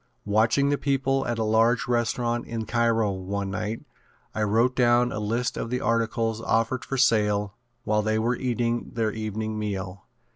Watching the people at a large restaurant in Cairo, one night, I wrote down a list of the articles offered for sale while they were eating their evening meal.